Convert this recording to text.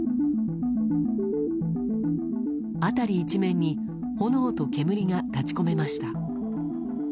辺り一面に炎と煙が立ち込めました。